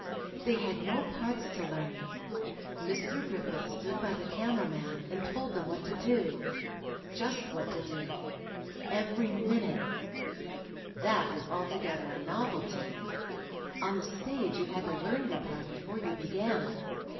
They had no parts to learn. Mr. Griffith stood by the camera man and told them what to do. Just what to do. Every minute. That was altogether a novelty. On the stage you had to learn your part before you began.